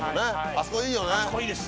あそこいいです。